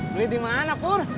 beli di mana pur